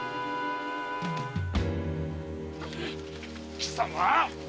・貴様！